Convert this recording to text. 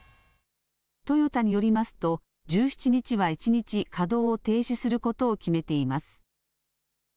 トヨタによりますと１７日は一日稼働を停止することを決めています。